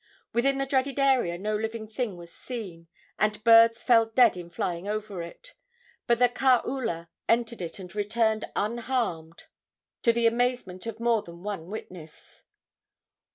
Within the dreaded area no living thing was seen, and birds fell dead in flying over it. But the kaula entered it and returned unharmed, to the amazement of more than one witness.